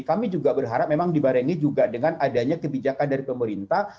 kami juga berharap memang dibarengi juga dengan adanya kebijakan dari pemerintah